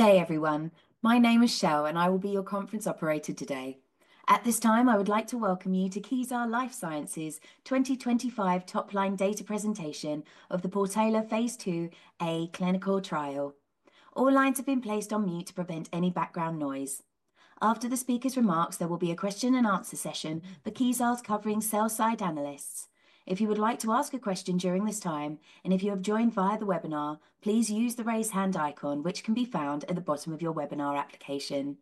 Good day, everyone. My name is Cheryl, and I will be your conference operator today. At this time, I would like to welcome you to Kezar Life Sciences' 2025 top-line data presentation of the PORTOLA phase 2a clinical trial. All lines have been placed on mute to prevent any background noise. After the speaker's remarks, there will be a question-and-answer session for Kezar's covering sell-side analysts. If you would like to ask a question during this time, and if you have joined via the webinar, please use the raise hand icon, which can be found at the bottom of your webinar application.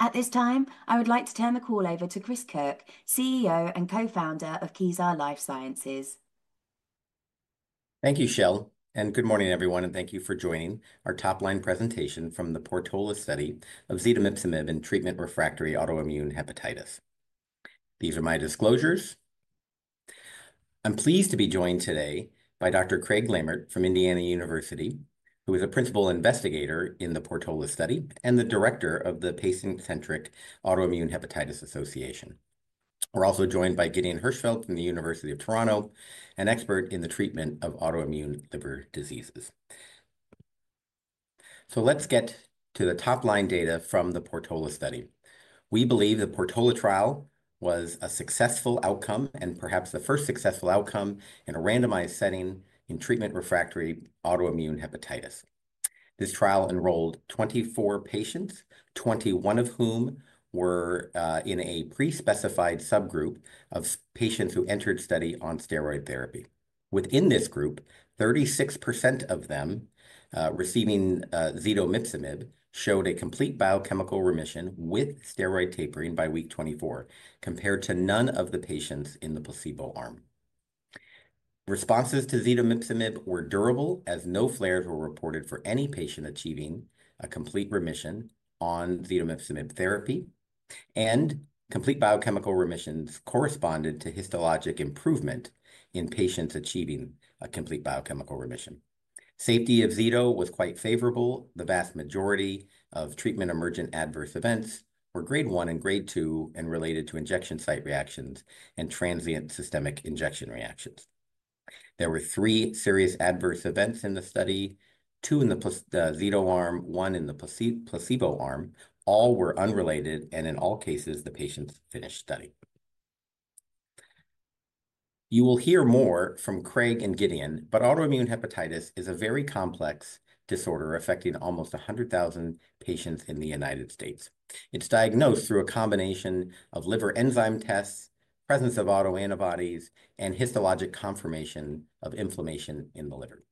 At this time, I would like to turn the call over to Chris Kirk, CEO and Co-founder of Kezar Life Sciences. Thank you, Cheryl, and good morning, everyone, and thank you for joining our top-line presentation from the PORTOLA study of zetomipzomib in treatment refractory autoimmune hepatitis. These are my disclosures. I'm pleased to be joined today by Dr. Craig Lammert from Indiana University, who is a principal investigator in the PORTOLA study and the director of the Autoimmune Hepatitis Association. We're also joined by Gideon Hirschfield from the University of Toronto, an expert in the treatment of autoimmune liver diseases. Let's get to the top-line data from the PORTOLA study. We believe the PORTOLA trial was a successful outcome and perhaps the first successful outcome in a randomized setting in treatment refractory autoimmune hepatitis. This trial enrolled 24 patients, 21 of whom were in a pre-specified subgroup of patients who entered study on steroid therapy. Within this group, 36% of them receiving zetomipzomib showed a complete biochemical remission with steroid tapering by week 24, compared to none of the patients in the placebo arm. Responses to zetomipzomib were durable, as no flares were reported for any patient achieving a complete remission on zetomipzomib therapy, and complete biochemical remissions corresponded to histologic improvement in patients achieving a complete biochemical remission. Safety of Zeto was quite favorable. The vast majority of treatment emergent adverse events were grade one and grade two and related to injection site reactions and transient systemic injection reactions. There were three serious adverse events in the study: two in the Zeto arm, one in the placebo arm. All were unrelated, and in all cases, the patients finished study. You will hear more from Craig and Gideon, but autoimmune hepatitis is a very complex disorder affecting almost 100,000 patients in the United States. It's diagnosed through a combination of liver enzyme tests, presence of autoantibodies, and histologic confirmation of inflammation in the liver.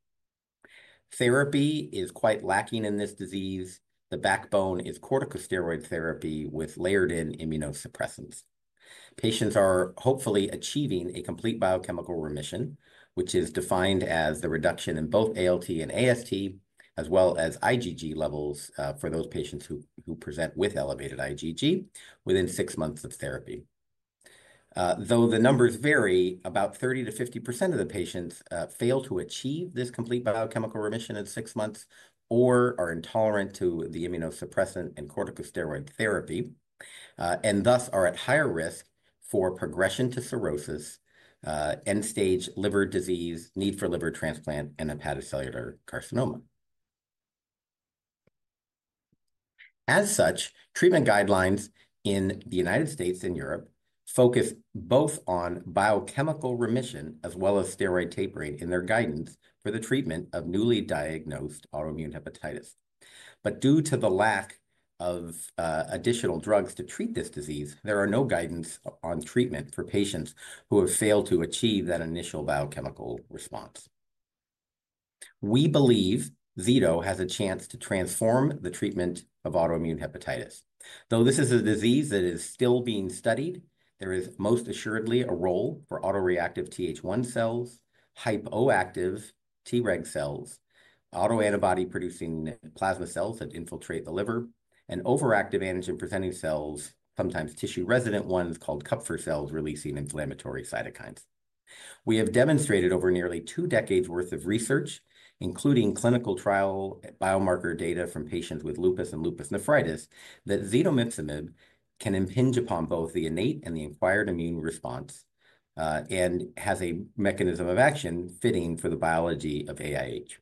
Therapy is quite lacking in this disease. The backbone is corticosteroid therapy with layered-in immunosuppressants. Patients are hopefully achieving a complete biochemical remission, which is defined as the reduction in both ALT and AST, as well as IgG levels for those patients who present with elevated IgG within six months of therapy. Though the numbers vary, about 30%-50% of the patients fail to achieve this complete biochemical remission in six months or are intolerant to the immunosuppressant and corticosteroid therapy, and thus are at higher risk for progression to cirrhosis, end-stage liver disease, need for liver transplant, and hepatocellular carcinoma. As such, treatment guidelines in the United States and Europe focus both on biochemical remission as well as steroid tapering in their guidance for the treatment of newly diagnosed autoimmune hepatitis. Due to the lack of additional drugs to treat this disease, there are no guidance on treatment for patients who have failed to achieve that initial biochemical response. We believe Zeto has a chance to transform the treatment of autoimmune hepatitis. Though this is a disease that is still being studied, there is most assuredly a role for autoreactive Th1 cells, hypoactive Treg cells, autoantibody-producing plasma cells that infiltrate the liver, and overactive antigen-presenting cells, sometimes tissue-resident ones called Kupffer cells, releasing inflammatory cytokines. We have demonstrated over nearly two decades' worth of research, including clinical trial biomarker data from patients with lupus and lupus nephritis, that zetomipzomib can impinge upon both the innate and the acquired immune response and has a mechanism of action fitting for the biology of AIH.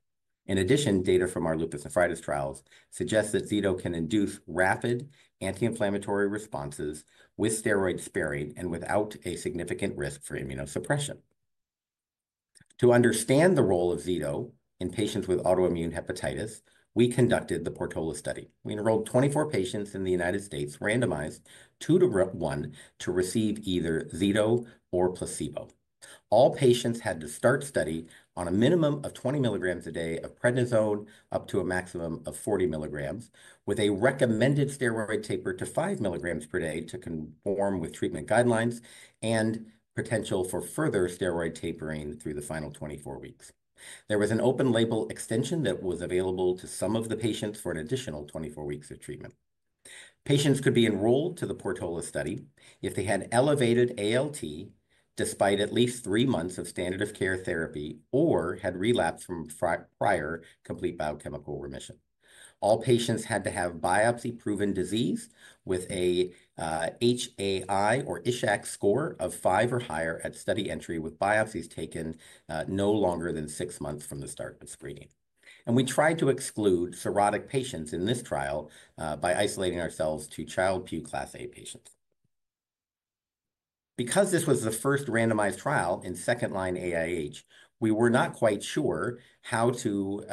In addition, data from our lupus nephritis trials suggest that Zeto can induce rapid anti-inflammatory responses with steroid sparing and without a significant risk for immunosuppression. To understand the role of Zeto in patients with autoimmune hepatitis, we conducted the PORTOLA study. We enrolled 24 patients in the United States, randomized two to one to receive either Zeto or placebo. All patients had to start study on a minimum of 20 milligrams a day of prednisone, up to a maximum of 40 milligrams, with a recommended steroid taper to 5 milligrams per day to conform with treatment guidelines and potential for further steroid tapering through the final 24 weeks. There was an open-label extension that was available to some of the patients for an additional 24 weeks of treatment. Patients could be enrolled to the PORTOLA study if they had elevated ALT despite at least three months of standard of care therapy or had relapsed from prior complete biochemical remission. All patients had to have biopsy-proven disease with an HAI or Ishak score of five or higher at study entry, with biopsies taken no longer than six months from the start of screening. We tried to exclude cirrhotic patients in this trial by isolating ourselves to Child-Pugh class A patients. Because this was the first randomized trial in second-line AIH, we were not quite sure how to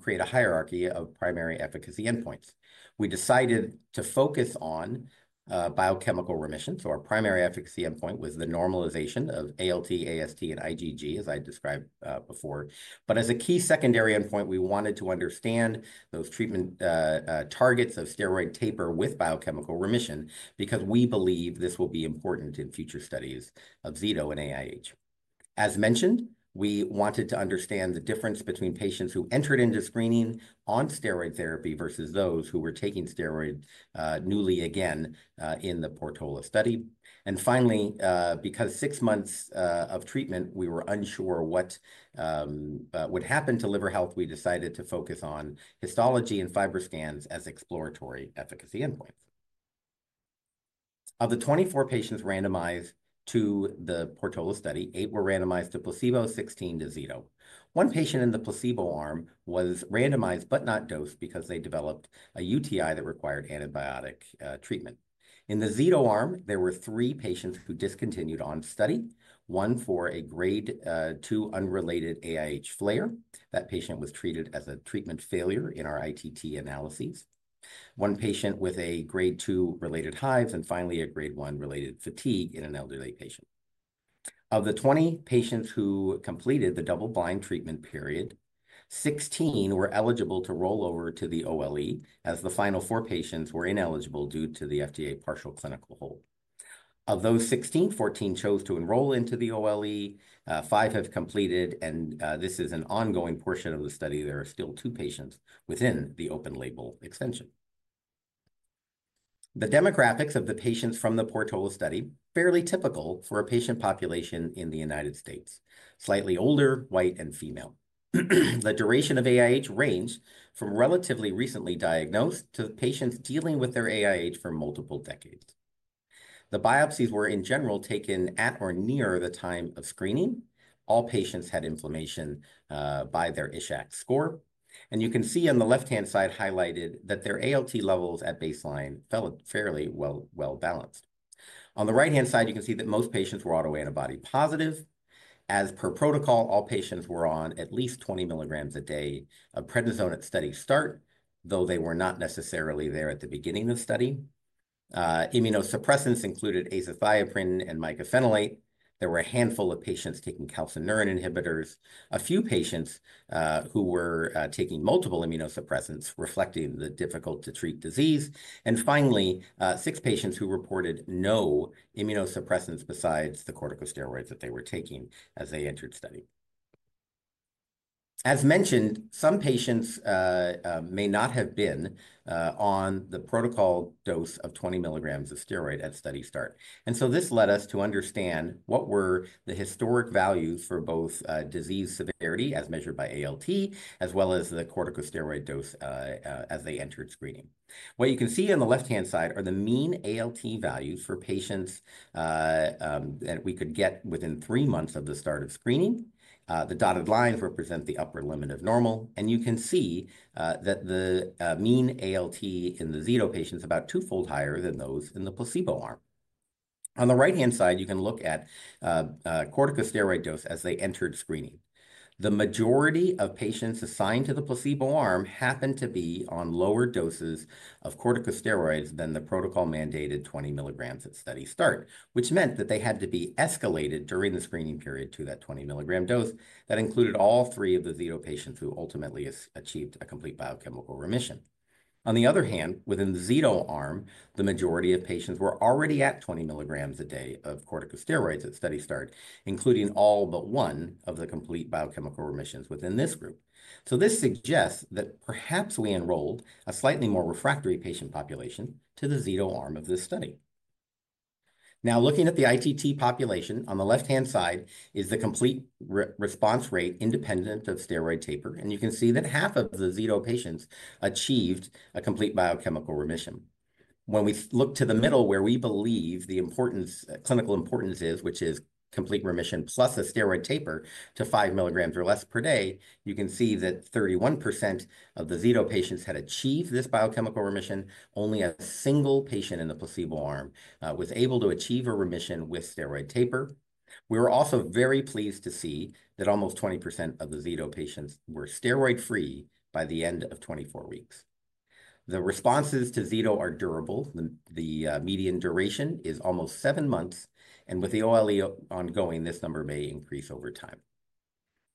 create a hierarchy of primary efficacy endpoints. We decided to focus on biochemical remission. Our primary efficacy endpoint was the normalization of ALT, AST, and IgG, as I described before. As a key secondary endpoint, we wanted to understand those treatment targets of steroid taper with biochemical remission because we believe this will be important in future studies of Zeto and AIH. As mentioned, we wanted to understand the difference between patients who entered into screening on steroid therapy versus those who were taking steroids newly again in the PORTOLA study. Finally, because six months of treatment, we were unsure what would happen to liver health, we decided to focus on histology and FibroScan as exploratory efficacy endpoints. Of the 24 patients randomized to the PORTOLA study, eight were randomized to placebo, 16 to Zeto. One patient in the placebo arm was randomized but not dosed because they developed a UTI that required antibiotic treatment. In the Zeto arm, there were three patients who discontinued on study, one for a grade two unrelated AIH flare. That patient was treated as a treatment failure in our ITT analyses. One patient with a grade two related hives and finally a grade one related fatigue in an elderly patient. Of the 20 patients who completed the double-blind treatment period, 16 were eligible to roll over to the OLE, as the final four patients were ineligible due to the FDA partial clinical hold. Of those 16, 14 chose to enroll into the OLE. Five have completed, and this is an ongoing portion of the study. There are still two patients within the open-label extension. The demographics of the patients from the PORTOLA study are fairly typical for a patient population in the United States: slightly older, white, and female. The duration of AIH ranged from relatively recently diagnosed to patients dealing with their AIH for multiple decades. The biopsies were, in general, taken at or near the time of screening. All patients had inflammation by their Ishak score. You can see on the left-hand side highlighted that their ALT levels at baseline felt fairly well-balanced. On the right-hand side, you can see that most patients were autoantibody positive. As per protocol, all patients were on at least 20 milligrams a day of prednisone at study start, though they were not necessarily there at the beginning of the study. Immunosuppressants included azathioprine and mycophenolate. There were a handful of patients taking calcineurin inhibitors, a few patients who were taking multiple immunosuppressants reflecting the difficult-to-treat disease, and finally, six patients who reported no immunosuppressants besides the corticosteroids that they were taking as they entered study. As mentioned, some patients may not have been on the protocol dose of 20 milligrams of steroid at study start. This led us to understand what were the historic values for both disease severity, as measured by ALT, as well as the corticosteroid dose as they entered screening. What you can see on the left-hand side are the mean ALT values for patients that we could get within three months of the start of screening. The dotted lines represent the upper limit of normal. You can see that the mean ALT in the Zeto patients is about twofold higher than those in the placebo arm. On the right-hand side, you can look at corticosteroid dose as they entered screening. The majority of patients assigned to the placebo arm happened to be on lower doses of corticosteroids than the protocol-mandated 20 milligrams at study start, which meant that they had to be escalated during the screening period to that 20 milligram dose that included all three of the Zeto patients who ultimately achieved a complete biochemical remission. On the other hand, within the Zeto arm, the majority of patients were already at 20 milligrams a day of corticosteroids at study start, including all but one of the complete biochemical remissions within this group. This suggests that perhaps we enrolled a slightly more refractory patient population to the Zeto arm of this study. Now, looking at the ITT population, on the left-hand side is the complete response rate independent of steroid taper. You can see that half of the Zeto patients achieved a complete biochemical remission. When we look to the middle, where we believe the clinical importance is, which is complete remission plus a steroid taper to 5 milligrams or less per day, you can see that 31% of the Zeto patients had achieved this biochemical remission. Only a single patient in the placebo arm was able to achieve a remission with steroid taper. We were also very pleased to see that almost 20% of the Zeto patients were steroid-free by the end of 24 weeks. The responses to Zeto are durable. The median duration is almost seven months. With the OLE ongoing, this number may increase over time.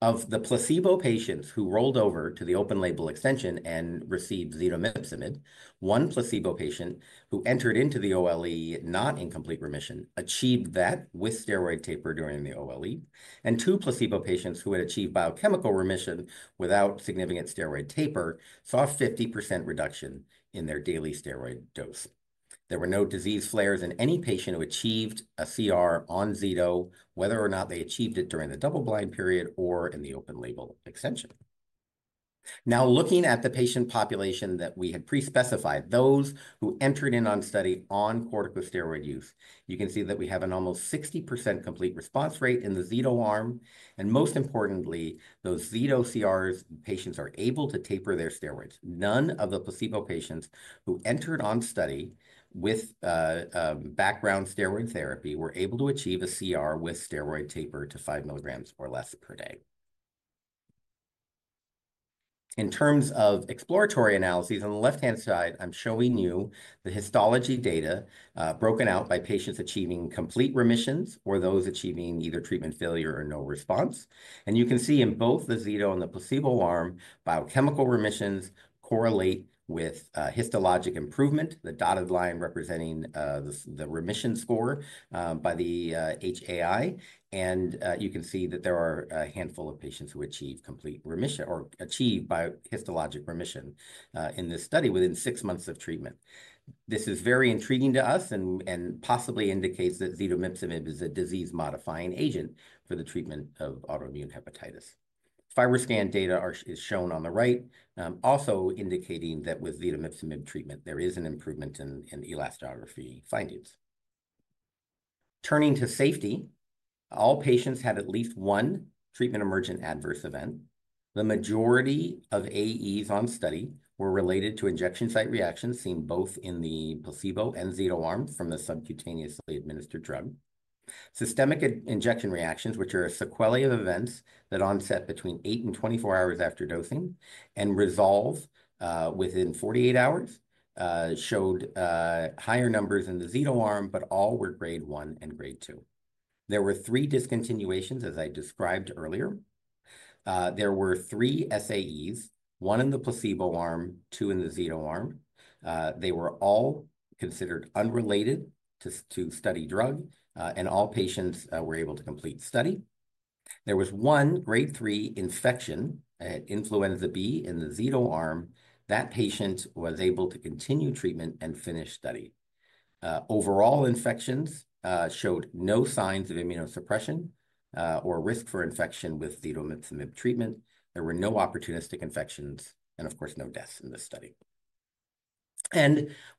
Of the placebo patients who rolled over to the open-label extension and received zetomipzomib, one placebo patient who entered into the OLE not in complete remission achieved that with steroid taper during the OLE. Two placebo patients who had achieved biochemical remission without significant steroid taper saw a 50% reduction in their daily steroid dose. There were no disease flares in any patient who achieved a CR on Zeto, whether or not they achieved it during the double-blind period or in the open-label extension. Now, looking at the patient population that we had pre-specified, those who entered in on study on corticosteroid use, you can see that we have an almost 60% complete response rate in the Zeto arm. Most importantly, those Zeto CRs, patients are able to taper their steroids. None of the placebo patients who entered on study with background steroid therapy were able to achieve a CR with steroid taper to 5 mg or less per day. In terms of exploratory analyses, on the left-hand side, I'm showing you the histology data broken out by patients achieving complete remissions or those achieving either treatment failure or no response. You can see in both the Zeto and the placebo arm, biochemical remissions correlate with histologic improvement, the dotted line representing the remission score by the HAI. You can see that there are a handful of patients who achieve complete remission or achieve histologic remission in this study within six months of treatment. This is very intriguing to us and possibly indicates that zetomipzomib is a disease-modifying agent for the treatment of autoimmune hepatitis. FibroScan data is shown on the right, also indicating that with zetomipzomib treatment, there is an improvement in elastography findings. Turning to safety, all patients had at least one treatment-emergent adverse event. The majority of AEs on study were related to injection site reactions seen both in the placebo and Zeto arm from the subcutaneously administered drug. Systemic injection reactions, which are a sequelae of events that onset between 8 and 24 hours after dosing and resolve within 48 hours, showed higher numbers in the Zeto arm, but all were grade one and grade two. There were three discontinuations, as I described earlier. There were three serious adverse events, one in the placebo arm, two in the Zeto arm. They were all considered unrelated to study drug, and all patients were able to complete study. There was one grade three infection at influenza B in the Zeto arm. That patient was able to continue treatment and finish study. Overall, infections showed no signs of immunosuppression or risk for infection with zetomipzomib treatment. There were no opportunistic infections and, of course, no deaths in this study.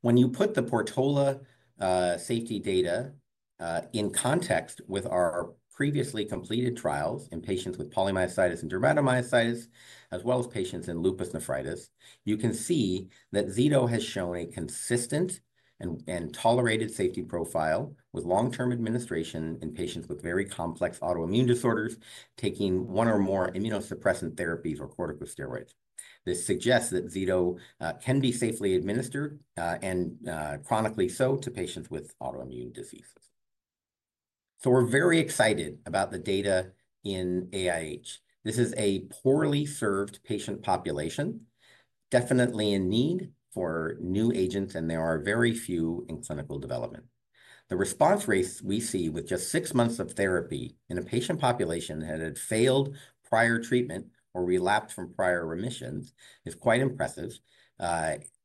When you put the PORTOLA safety data in context with our previously completed trials in patients with polymyositis and dermatomyositis, as well as patients in lupus nephritis, you can see that Zeto has shown a consistent and tolerated safety profile with long-term administration in patients with very complex autoimmune disorders taking one or more immunosuppressant therapies or corticosteroids. This suggests that Zeto can be safely administered and chronically so to patients with autoimmune diseases. We are very excited about the data in AIH. This is a poorly served patient population, definitely in need for new agents, and there are very few in clinical development. The response rates we see with just six months of therapy in a patient population that had failed prior treatment or relapsed from prior remissions is quite impressive.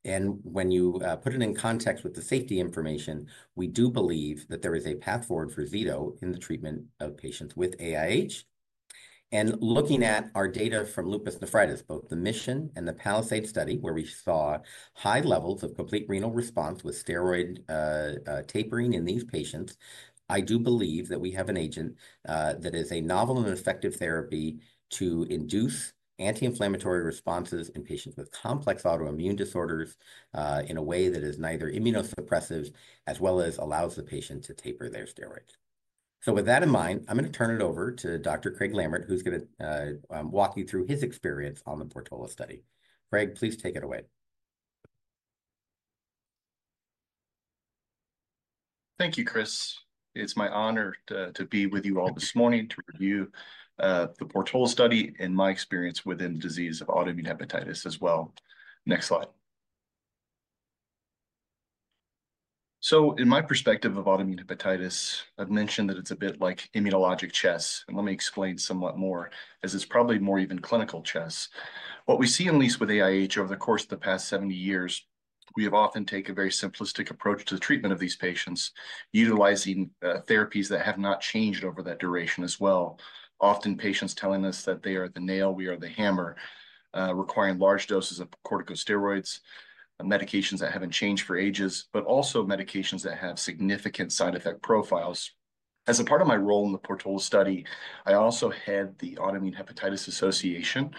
When you put it in context with the safety information, we do believe that there is a path forward for Zeto in the treatment of patients with AIH. Looking at our data from lupus nephritis, both the MISSION and the PALISADE study, where we saw high levels of complete renal response with steroid tapering in these patients, I do believe that we have an agent that is a novel and effective therapy to induce anti-inflammatory responses in patients with complex autoimmune disorders in a way that is neither immunosuppressive as well as allows the patient to taper their steroids. With that in mind, I'm going to turn it over to Dr. Craig Lammert, who's going to walk you through his experience on the PORTOLA study. Craig, please take it away. Thank you, Chris. It's my honor to be with you all this morning to review the PORTOLA study and my experience within the disease of autoimmune hepatitis as well. Next slide. In my perspective of autoimmune hepatitis, I've mentioned that it's a bit like immunologic chess. Let me explain somewhat more, as it's probably more even clinical chess. What we see at least with AIH over the course of the past 70 years, we have often taken a very simplistic approach to the treatment of these patients, utilizing therapies that have not changed over that duration as well. Often patients telling us that they are the nail, we are the hammer, requiring large doses of corticosteroids, medications that haven't changed for ages, but also medications that have significant side effect profiles. As a part of my role in the PORTOLA study, I also head the Autoimmune Hepatitis Association.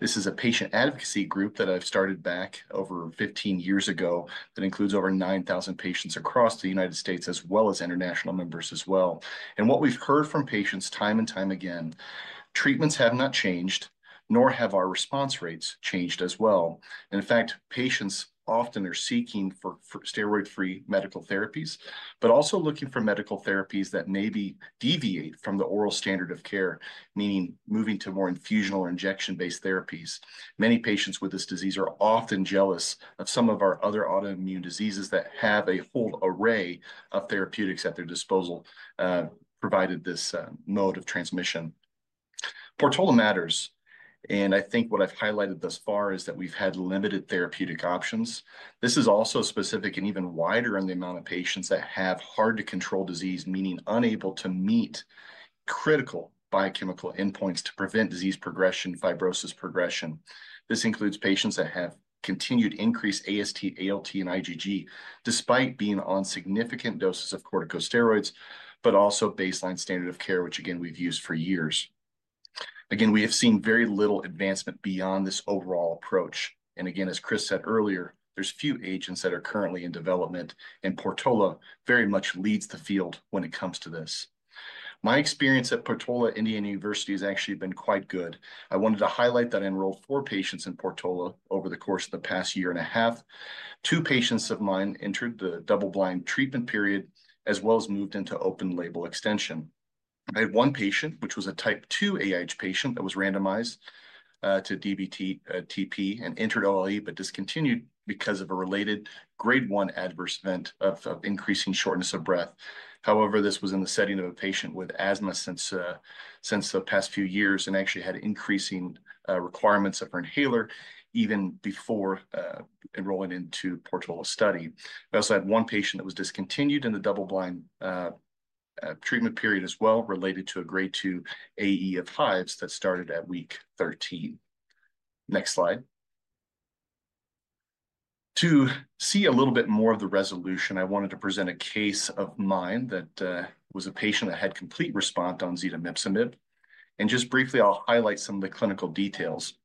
This is a patient advocacy group that I started back over 15 years ago that includes over 9,000 patients across the United States as well as international members as well. What we've heard from patients time and time again, treatments have not changed, nor have our response rates changed as well. In fact, patients often are seeking for steroid-free medical therapies, but also looking for medical therapies that maybe deviate from the oral standard of care, meaning moving to more infusional or injection-based therapies. Many patients with this disease are often jealous of some of our other autoimmune diseases that have a whole array of therapeutics at their disposal, provided this mode of transmission. PORTOLA matters. I think what I've highlighted thus far is that we've had limited therapeutic options. This is also specific and even wider in the amount of patients that have hard-to-control disease, meaning unable to meet critical biochemical endpoints to prevent disease progression, fibrosis progression. This includes patients that have continued increased AST, ALT, and IgG despite being on significant doses of corticosteroids, but also baseline standard of care, which again, we've used for years. We have seen very little advancement beyond this overall approach. As Chris said earlier, there's few agents that are currently in development. PORTOLA very much leads the field when it comes to this. My experience at PORTOLA Indiana University has actually been quite good. I wanted to highlight that I enrolled four patients in PORTOLA over the course of the past year and a half. Two patients of mine entered the double-blind treatment period as well as moved into open-label extension. I had one patient, which was a type 2 AIH patient that was randomized to DBTP and entered OLE but discontinued because of a related grade one adverse event of increasing shortness of breath. However, this was in the setting of a patient with asthma since the past few years and actually had increasing requirements of her inhaler even before enrolling into the PORTOLA study. I also had one patient that was discontinued in the double-blind treatment period as well related to a grade 2 AE of hives that started at week 13. Next slide. To see a little bit more of the resolution, I wanted to present a case of mine that was a patient that had complete response on zetomipzomib. And just briefly, I'll highlight some of the clinical details.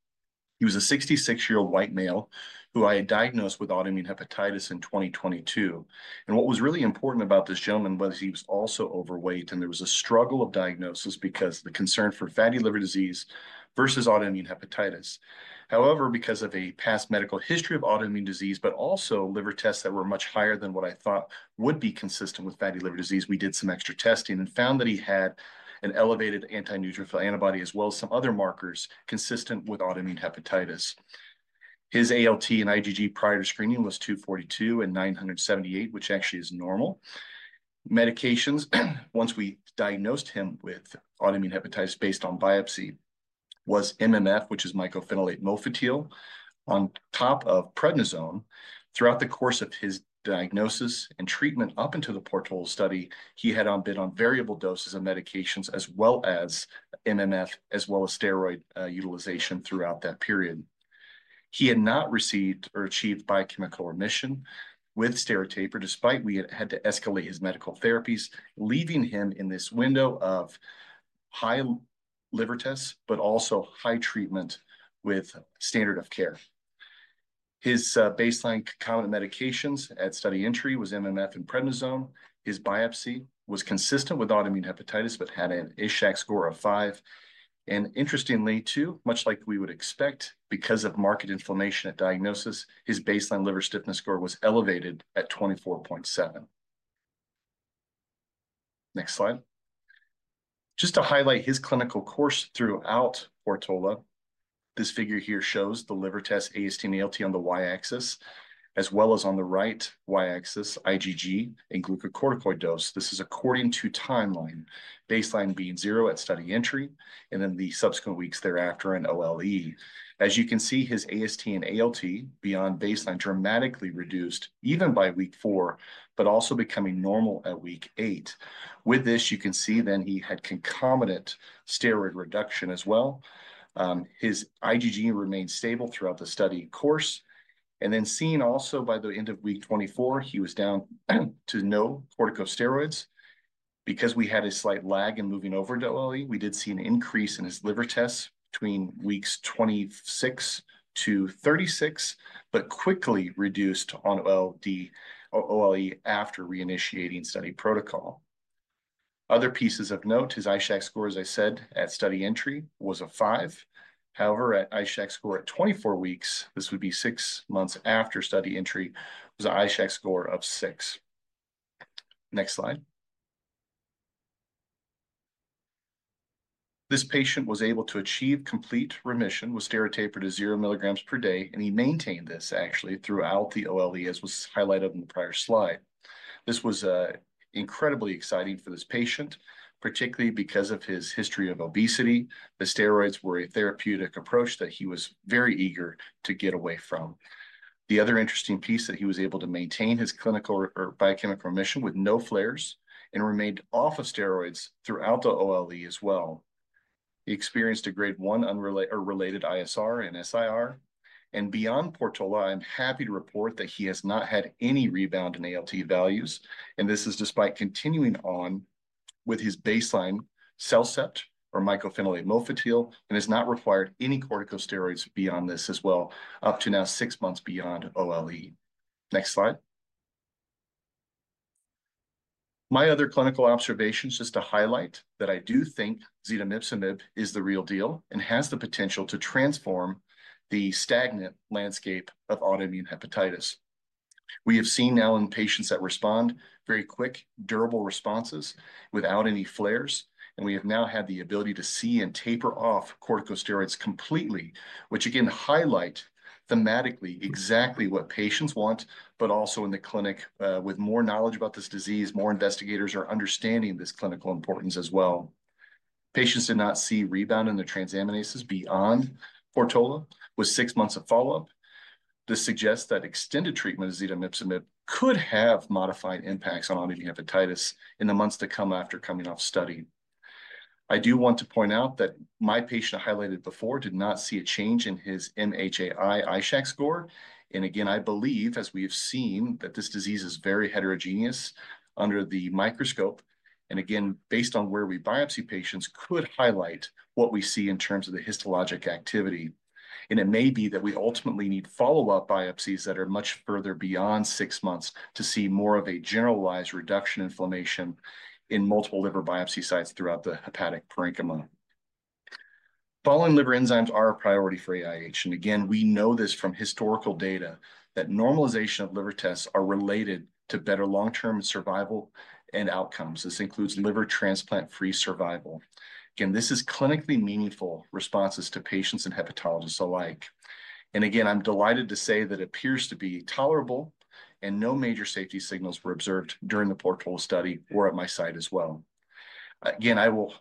He was a 66-year-old white male who I had diagnosed with autoimmune hepatitis in 2022. What was really important about this gentleman was he was also overweight. There was a struggle of diagnosis because of the concern for fatty liver disease versus autoimmune hepatitis. However, because of a past medical history of autoimmune disease, but also liver tests that were much higher than what I thought would be consistent with fatty liver disease, we did some extra testing and found that he had an elevated antineutrophil antibody as well as some other markers consistent with autoimmune hepatitis. His ALT and IgG prior to screening was 242 and 978, which actually is normal. Medications, once we diagnosed him with autoimmune hepatitis based on biopsy, was MMF, which is mycophenolate mofetil, on top of prednisone. Throughout the course of his diagnosis and treatment up until the PORTOLA study, he had been on variable doses of medications as well as MMF as well as steroid utilization throughout that period. He had not received or achieved biochemical remission with steroid taper despite we had had to escalate his medical therapies, leaving him in this window of high liver tests, but also high treatment with standard of care. His baseline common medications at study entry was MMF and prednisone. His biopsy was consistent with autoimmune hepatitis but had an Ishak score of 5. And interestingly, too, much like we would expect because of marked inflammation at diagnosis, his baseline liver stiffness score was elevated at 24.7. Next slide. Just to highlight his clinical course throughout PORTOLA, this figure here shows the liver tests, AST and ALT on the Y axis, as well as on the right Y axis, IgG and glucocorticoid dose. This is according to timeline, baseline being 0 at study entry and then the subsequent weeks thereafter in OLE. As you can see, his AST and ALT beyond baseline dramatically reduced even by week 4, but also becoming normal at week 8. With this, you can see then he had concomitant steroid reduction as well. His IgG remained stable throughout the study course. Then seen also by the end of week 24, he was down to no corticosteroids. Because we had a slight lag in moving over to OLE, we did see an increase in his liver tests between weeks 26 to 36, but quickly reduced on OLE after reinitiating study protocol. Other pieces of note, his Ishak score, as I said, at study entry was a 5. However, at Ishak score at 24 weeks, this would be six months after study entry, was an Ishak score of 6. Next slide. This patient was able to achieve complete remission with steroid taper to 0 milligrams per day. He maintained this actually throughout the OLE, as was highlighted in the prior slide. This was incredibly exciting for this patient, particularly because of his history of obesity. The steroids were a therapeutic approach that he was very eager to get away from. The other interesting piece is that he was able to maintain his clinical or biochemical remission with no flares and remained off of steroids throughout the OLE as well. He experienced a grade one related ISR and SIR. Beyond PORTOLA, I'm happy to report that he has not had any rebound in ALT values. This is despite continuing on with his baseline CellCept or mycophenolate mofetil and has not required any corticosteroids beyond this as well, up to now six months beyond OLE. Next slide. My other clinical observations just to highlight that I do think zetomipzomib is the real deal and has the potential to transform the stagnant landscape of autoimmune hepatitis. We have seen now in patients that respond very quick, durable responses without any flares. We have now had the ability to see and taper off corticosteroids completely, which again highlight thematically exactly what patients want, but also in the clinic with more knowledge about this disease, more investigators are understanding this clinical importance as well. Patients did not see rebound in the transaminases beyond PORTOLA with six months of follow-up. This suggests that extended treatment of zetomipzomib could have modified impacts on autoimmune hepatitis in the months to come after coming off study. I do want to point out that my patient I highlighted before did not see a change in his HAI Ishak score. I believe, as we have seen, that this disease is very heterogeneous under the microscope. Based on where we biopsy patients, it could highlight what we see in terms of the histologic activity. It may be that we ultimately need follow-up biopsies that are much further beyond six months to see more of a generalized reduction in inflammation in multiple liver biopsy sites throughout the hepatic parenchyma. Following liver enzymes are a priority for AIH. We know this from historical data that normalization of liver tests are related to better long-term survival and outcomes. This includes liver transplant-free survival. This is clinically meaningful responses to patients and hepatologists alike. I am delighted to say that it appears to be tolerable and no major safety signals were observed during the PORTOLA study or at my site as well. Again, I will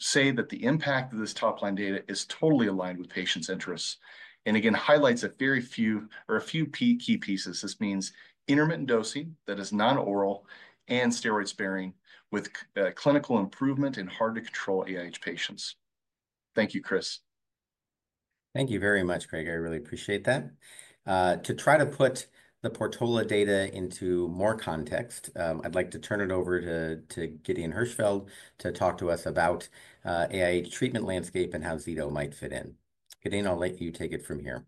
say that the impact of this top-line data is totally aligned with patients' interests and again highlights a very few or a few key pieces. This means intermittent dosing that is non-oral and steroid-sparing with clinical improvement in hard-to-control AIH patients. Thank you, Chris. Thank you very much, Craig. I really appreciate that. To try to put the PORTOLA data into more context, I'd like to turn it over to Gideon Hirschfield to talk to us about AIH treatment landscape and how Zeto might fit in. Gideon, I'll let you take it from here.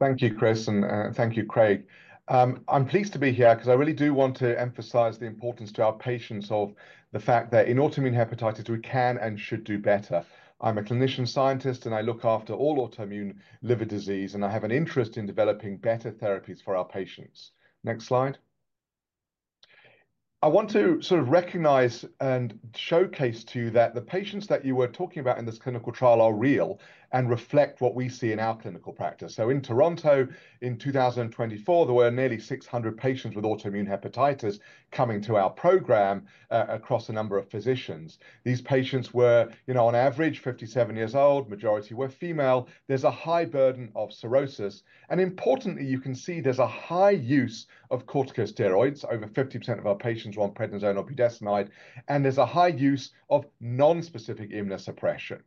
Thank you, Chris, and thank you, Craig. I'm pleased to be here because I really do want to emphasize the importance to our patients of the fact that in autoimmune hepatitis, we can and should do better. I'm a clinician scientist and I look after all autoimmune liver disease and I have an interest in developing better therapies for our patients. Next slide. I want to sort of recognize and showcase to you that the patients that you were talking about in this clinical trial are real and reflect what we see in our clinical practice. In Toronto in 2024, there were nearly 600 patients with autoimmune hepatitis coming to our program across a number of physicians. These patients were, you know, on average 57 years old, majority were female. There's a high burden of cirrhosis. Importantly, you can see there's a high use of corticosteroids. Over 50% of our patients were on prednisone or budesonide. There's a high use of non-specific immunosuppression.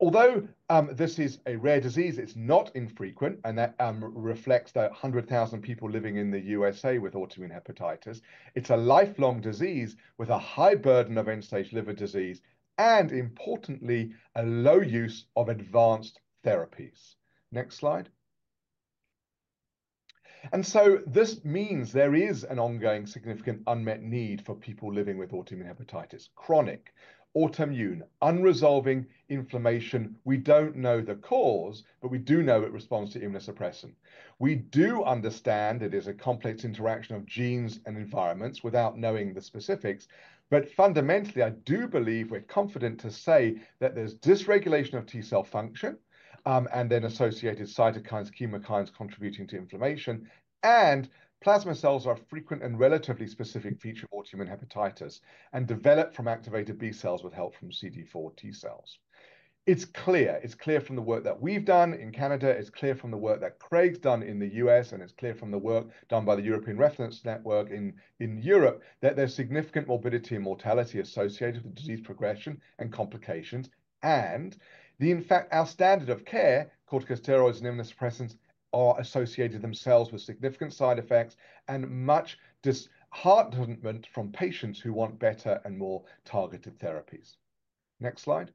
Although this is a rare disease, it's not infrequent and that reflects the 100,000 people living in the U.S. with autoimmune hepatitis. It's a lifelong disease with a high burden of end-stage liver disease and, importantly, a low use of advanced therapies. Next slide. This means there is an ongoing significant unmet need for people living with autoimmune hepatitis, chronic autoimmune, unresolving inflammation. We don't know the cause, but we do know it responds to immunosuppression. We do understand it is a complex interaction of genes and environments without knowing the specifics. Fundamentally, I do believe we're confident to say that there's dysregulation of T cell function and then associated cytokines, chemokines contributing to inflammation. Plasma cells are a frequent and relatively specific feature of autoimmune hepatitis and develop from activated B cells with help from CD4 T cells. It's clear. It's clear from the work that we've done in Canada. It's clear from the work that Craig's done in the U.S. It's clear from the work done by the European Reference Network in Europe that there's significant morbidity and mortality associated with disease progression and complications. In fact, our standard of care, corticosteroids and immunosuppressants, are associated themselves with significant side effects and much disheartenment from patients who want better and more targeted therapies. Next slide.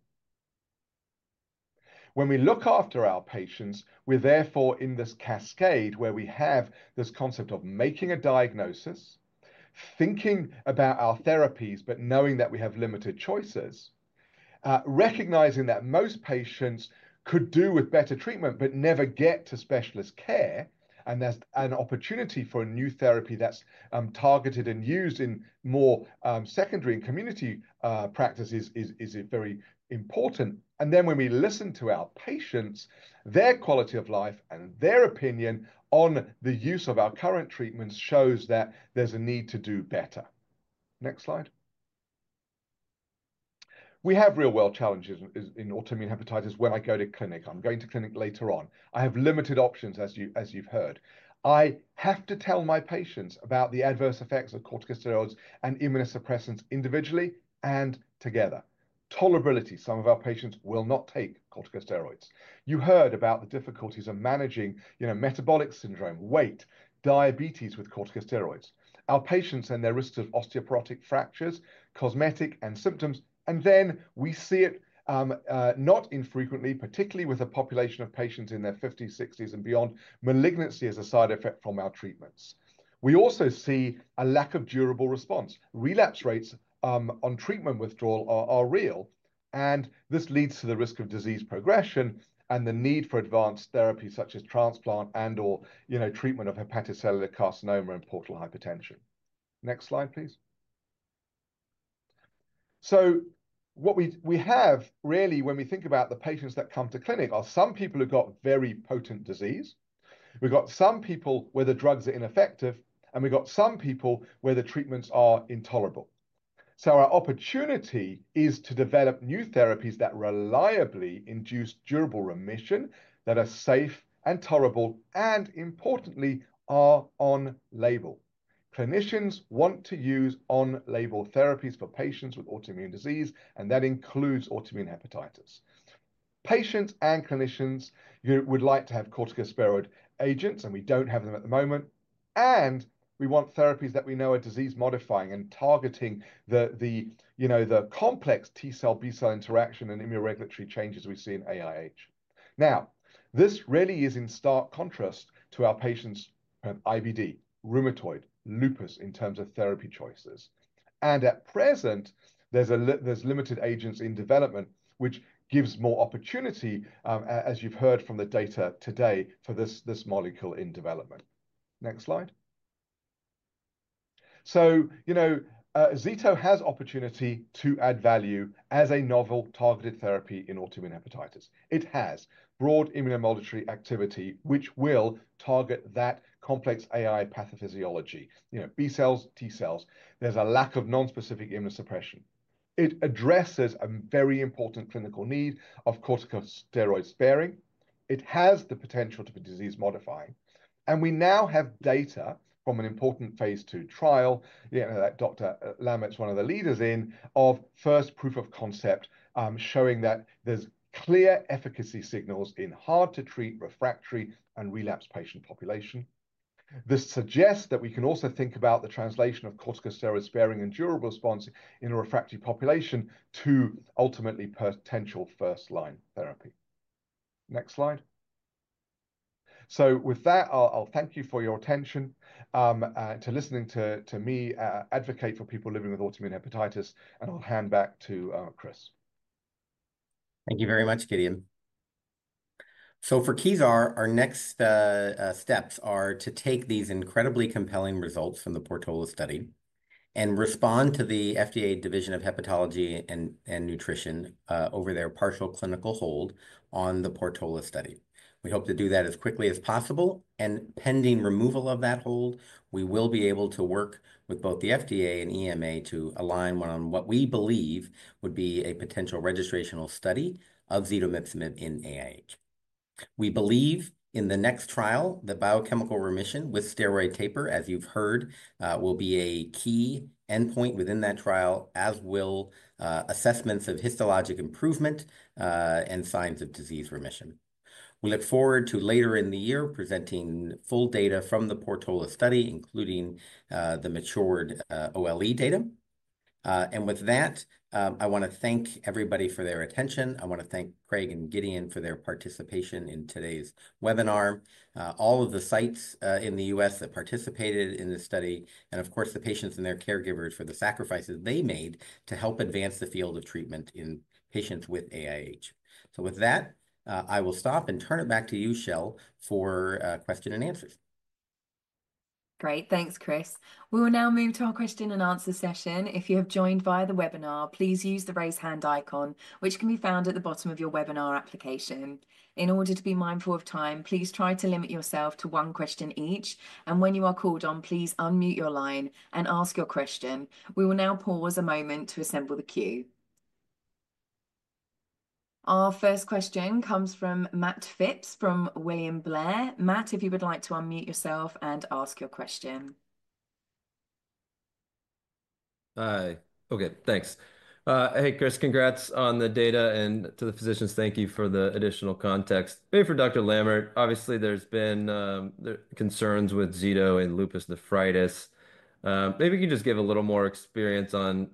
When we look after our patients, we're therefore in this cascade where we have this concept of making a diagnosis, thinking about our therapies, but knowing that we have limited choices, recognizing that most patients could do with better treatment but never get to specialist care. There's an opportunity for a new therapy that's targeted and used in more secondary and community practices is very important. When we listen to our patients, their quality of life and their opinion on the use of our current treatments shows that there is a need to do better. Next slide. We have real-world challenges in autoimmune hepatitis when I go to clinic. I am going to clinic later on. I have limited options, as you have heard. I have to tell my patients about the adverse effects of corticosteroids and immunosuppressants individually and together. Tolerability. Some of our patients will not take corticosteroids. You heard about the difficulties of managing, you know, metabolic syndrome, weight, diabetes with corticosteroids, our patients and their risks of osteoporotic fractures, cosmetic and symptoms. We see it not infrequently, particularly with a population of patients in their 50s, 60s, and beyond, malignancy as a side effect from our treatments. We also see a lack of durable response. Relapse rates on treatment withdrawal are real. This leads to the risk of disease progression and the need for advanced therapy such as transplant and/or, you know, treatment of hepatocellular carcinoma and portal hypertension. Next slide, please. What we have really, when we think about the patients that come to clinic, are some people who've got very potent disease. We've got some people where the drugs are ineffective, and we've got some people where the treatments are intolerable. Our opportunity is to develop new therapies that reliably induce durable remission that are safe and tolerable and, importantly, are on label. Clinicians want to use on-label therapies for patients with autoimmune disease, and that includes autoimmune hepatitis. Patients and clinicians would like to have corticosteroid agents, and we don't have them at the moment. We want therapies that we know are disease-modifying and targeting the, you know, the complex T cell-B cell interaction and immunoregulatory changes we see in AIH. This really is in stark contrast to our patients' IBD, rheumatoid, lupus in terms of therapy choices. At present, there's limited agents in development, which gives more opportunity, as you've heard from the data today, for this molecule in development. Next slide. You know, Zeto has opportunity to add value as a novel targeted therapy in autoimmune hepatitis. It has broad immunomodulatory activity, which will target that complex AI pathophysiology, you know, B cells, T cells. There's a lack of non-specific immunosuppression. It addresses a very important clinical need of corticosteroid sparing. It has the potential to be disease-modifying. We now have data from an important phase two trial that Dr. Lammert's one of the leaders in first proof of concept showing that there's clear efficacy signals in hard-to-treat refractory and relapsed patient population. This suggests that we can also think about the translation of corticosteroid sparing and durable response in a refractory population to ultimately potential first-line therapy. Next slide. With that, I'll thank you for your attention to listening to me advocate for people living with autoimmune hepatitis. I'll hand back to Chris. Thank you very much, Gideon. For Kezar, our next steps are to take these incredibly compelling results from the PORTOLA study and respond to the FDA Division of Hepatology and Nutrition over their partial clinical hold on the PORTOLA study. We hope to do that as quickly as possible. Pending removal of that hold, we will be able to work with both the FDA and EMA to align on what we believe would be a potential registrational study of zetomipzomib in AIH. We believe in the next trial, the biochemical remission with steroid taper, as you've heard, will be a key endpoint within that trial, as will assessments of histologic improvement and signs of disease remission. We look forward to later in the year presenting full data from the PORTOLA study, including the matured OLE data. With that, I want to thank everybody for their attention. I want to thank Craig and Gideon for their participation in today's webinar, all of the sites in the U.S. that participated in this study, and of course, the patients and their caregivers for the sacrifices they made to help advance the field of treatment in patients with AIH. With that, I will stop and turn it back to you, Cheryl, for questions and answers. Great. Thanks, Chris. We will now move to our question and answer session. If you have joined via the webinar, please use the raise hand icon, which can be found at the bottom of your webinar application. In order to be mindful of time, please try to limit yourself to one question each. When you are called on, please unmute your line and ask your question. We will now pause a moment to assemble the queue. Our first question comes from Matt Phipps from William Blair. Matt, if you would like to unmute yourself and ask your question. Hi. Okay. Thanks. Hey, Chris, congrats on the data. To the physicians, thank you for the additional context. Maybe for Dr. Lammert, obviously, there have been concerns with Zeto and lupus nephritis. Maybe you can just give a little more experience on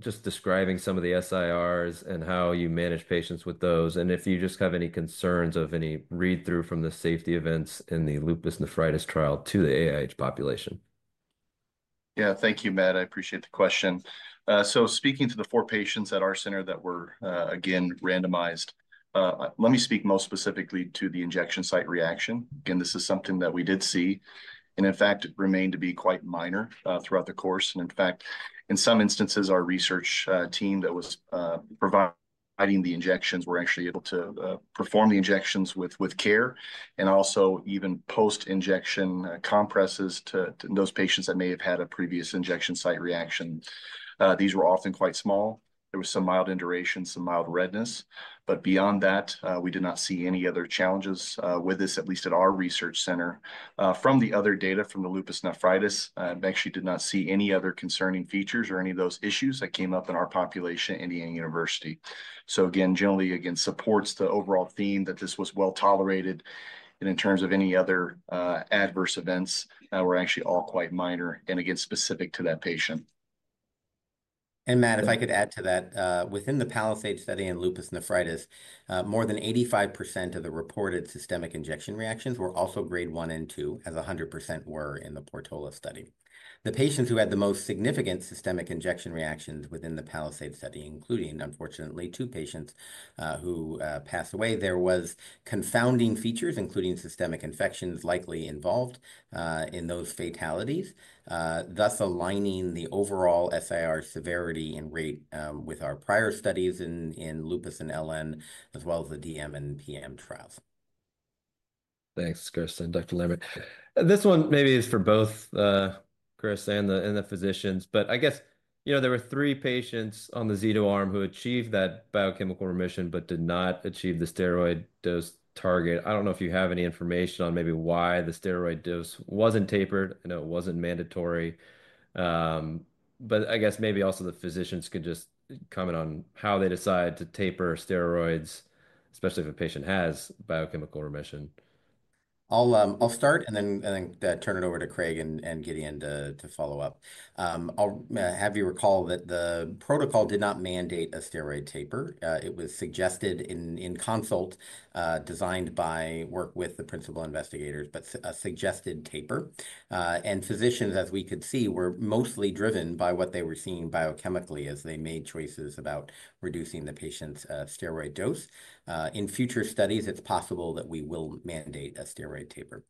just describing some of the SIRs and how you manage patients with those. If you just have any concerns of any read-through from the safety events in the lupus nephritis trial to the AIH population. Yeah, thank you, Matt. I appreciate the question. Speaking to the four patients at our center that were again randomized, let me speak most specifically to the injection site reaction. This is something that we did see. In fact, it remained to be quite minor throughout the course. In fact, in some instances, our research team that was providing the injections were actually able to perform the injections with care and also even post-injection compresses to those patients that may have had a previous injection site reaction. These were often quite small. There was some mild induration, some mild redness. Beyond that, we did not see any other challenges with this, at least at our research center. From the other data from the lupus nephritis, I actually did not see any other concerning features or any of those issues that came up in our population at Indiana University. Again, generally, again, supports the overall theme that this was well tolerated. In terms of any other adverse events, they were actually all quite minor and, again, specific to that patient. Matt, if I could add to that, within the PALISADE study and lupus nephritis, more than 85% of the reported systemic injection reactions were also grade one and two, as 100% were in the PORTOLA study. The patients who had the most significant systemic injection reactions within the PALISADE study, including, unfortunately, two patients who passed away, there were confounding features, including systemic infections likely involved in those fatalities, thus aligning the overall SIR severity and rate with our prior studies in lupus and LN, as well as the DM and PM trials. Thanks, Chris and Dr. Lammert. This one maybe is for both Chris and the physicians. I guess, you know, there were three patients on the Zeto arm who achieved that biochemical remission but did not achieve the steroid dose target. I don't know if you have any information on maybe why the steroid dose wasn't tapered. I know it wasn't mandatory. I guess maybe also the physicians could just comment on how they decide to taper steroids, especially if a patient has biochemical remission. I'll start and then turn it over to Craig and Gideon to follow up. I'll have you recall that the protocol did not mandate a steroid taper. It was suggested in consult, designed by work with the principal investigators, but a suggested taper. Physicians, as we could see, were mostly driven by what they were seeing biochemically as they made choices about reducing the patient's steroid dose. In future studies, it's possible that we will mandate a steroid taper.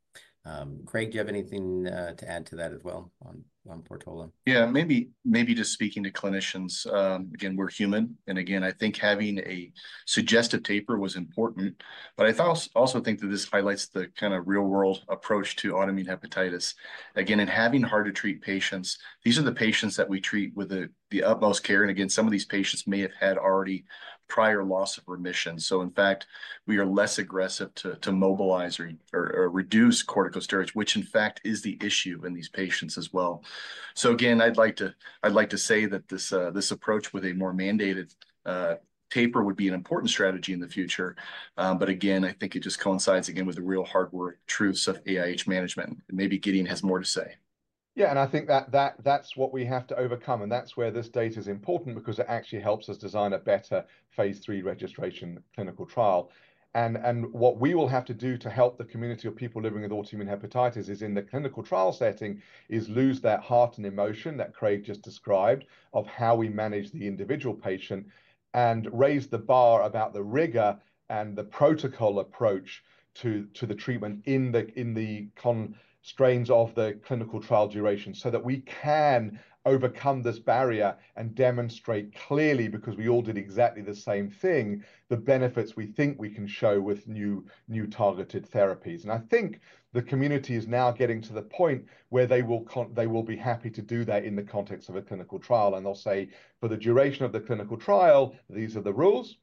Craig, do you have anything to add to that as well on PORTOLA? Yeah, maybe just speaking to clinicians. Again, we're human. I think having a suggested taper was important. I also think that this highlights the kind of real-world approach to autoimmune hepatitis. In having hard-to-treat patients, these are the patients that we treat with the utmost care. Again, some of these patients may have had already prior loss of remission. In fact, we are less aggressive to mobilize or reduce corticosteroids, which in fact is the issue in these patients as well. I would like to say that this approach with a more mandated taper would be an important strategy in the future. I think it just coincides again with the real hardware truths of AIH management. Maybe Gideon has more to say. Yeah, I think that that's what we have to overcome. That's where this data is important because it actually helps us design a better phase three registration clinical trial. What we will have to do to help the community of people living with autoimmune hepatitis in the clinical trial setting is lose that heart and emotion that Craig just described of how we manage the individual patient and raise the bar about the rigor and the protocol approach to the treatment in the constraints of the clinical trial duration so that we can overcome this barrier and demonstrate clearly, because we all did exactly the same thing, the benefits we think we can show with new targeted therapies. I think the community is now getting to the point where they will be happy to do that in the context of a clinical trial. They'll say, for the duration of the clinical trial, these are the rules.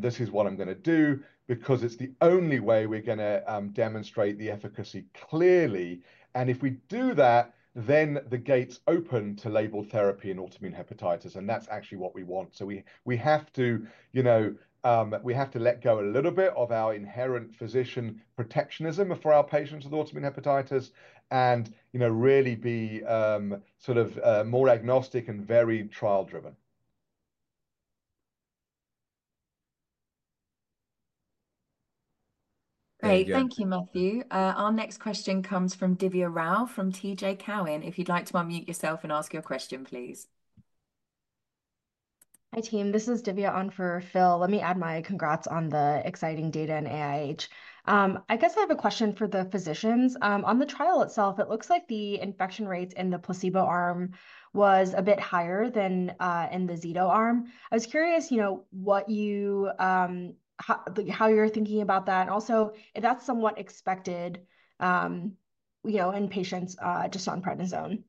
This is what I'm going to do because it's the only way we're going to demonstrate the efficacy clearly. If we do that, then the gates open to label therapy in autoimmune hepatitis. That's actually what we want. We have to, you know, we have to let go a little bit of our inherent physician protectionism for our patients with autoimmune hepatitis and, you know, really be sort of more agnostic and very trial-driven. Great. Thank you, Matthew. Our next question comes from Divya Rao from TD Cowen. If you'd like to unmute yourself and ask your question, please. Hi, team. This is Divya on for Phil. Let me add my congrats on the exciting data in AIH. I guess I have a question for the physicians. On the trial itself, it looks like the infection rates in the placebo arm was a bit higher than in the Zeto arm. I was curious, you know, how you're thinking about that. And also, if that's somewhat expected, you know, in patients just on prednisone.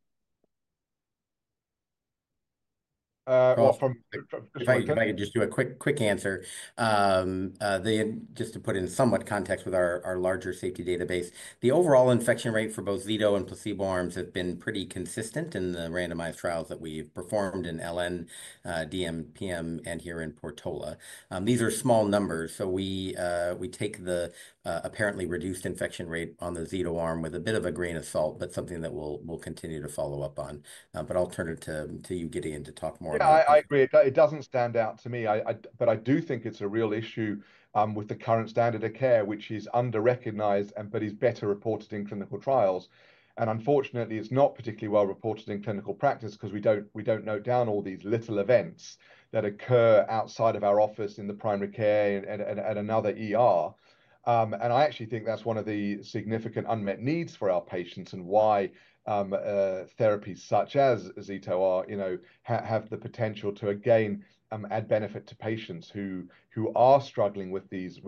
If I could just do a quick answer, just to put in somewhat context with our larger safety database, the overall infection rate for both Zeto and placebo arms has been pretty consistent in the randomized trials that we've performed in LN, DM, PM, and here in PORTOLA. These are small numbers. We take the apparently reduced infection rate on the Zeto arm with a bit of a grain of salt, but something that we'll continue to follow up on. I'll turn it to you, Gideon, to talk more. Yeah, I agree. It doesn't stand out to me. I do think it's a real issue with the current standard of care, which is under-recognized, but is better reported in clinical trials. Unfortunately, it's not particularly well reported in clinical practice because we don't note down all these little events that occur outside of our office in the primary care and at another. I actually think that's one of the significant unmet needs for our patients and why therapies such as Zeto are, you know, have the potential to again add benefit to patients who are struggling with this